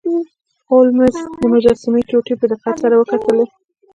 هولمز د مجسمې ټوټې په دقت سره وکتلې.